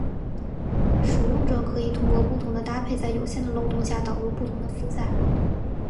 使用者可以通过不同的搭配在有限的漏洞下导入不同的负载。